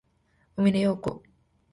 小峰洋子